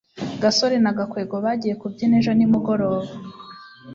gasore na gakwego bagiye kubyina ejo nimugoroba